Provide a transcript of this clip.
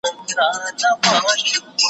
چي قاضي وي چي دا گيند او دا ميدان وي